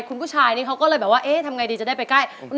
คุณผู้ชายนี่เขาก็เลยแบบว่าเอ๊ะทำไงดีจะได้ไปใกล้